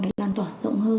để lan tỏa rộng hơn